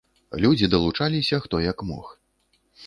Людзі далучаліся, хто як мог.